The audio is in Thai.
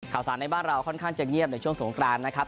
ข่าวสารในบ้านเราค่อนข้างจะเงียบในช่วงสงกรานนะครับ